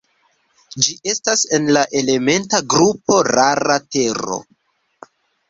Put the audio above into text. Ĝi estas en la elementa grupo "rara tero".